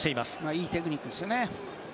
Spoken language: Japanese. いいテクニックがありますよね。